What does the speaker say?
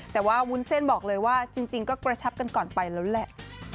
แต่ว่าวุ้นเส้นบอกเลยว่าจริงก็กระชับกันก่อนไปแล้วแหละ